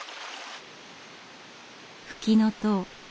フキノトウ